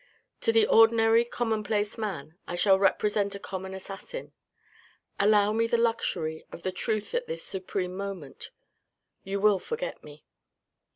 To the ordinary commonplace man, I shall represent a common assassin. Allow me the luxury of the truth at this supreme moment ; you will forget me.